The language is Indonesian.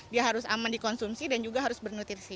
dia harus aman dikonsumsi dan juga harus bernutrisi